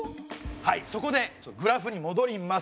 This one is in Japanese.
はいそこでグラフにもどります。